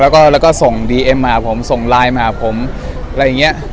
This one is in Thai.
แล้วก็แล้วก็ส่งดีเอ็มมาผมส่งไลน์มาหาผมอะไรอย่างเงี้ย